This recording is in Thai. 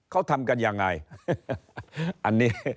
เขาทำกันยังไง